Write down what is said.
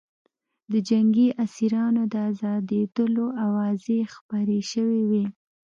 د جنګي اسیرانو د ازادېدلو اوازې خپرې شوې وې